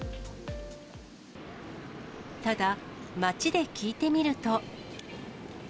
ただ、街で聞いてみると。